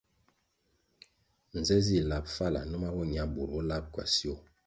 Nze zih lab fala numa bo ña bur bo lab kwasio ?